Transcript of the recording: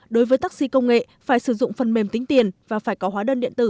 đối với taxi công nghệ phải sử dụng phần mềm tính tiền và phải có hóa đơn điện tử